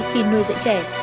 khi nuôi dạy trẻ